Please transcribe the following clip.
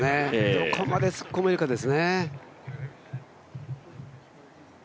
どこまで突っ込めるかですね。